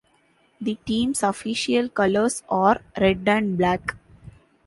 The team's official colors are red and black.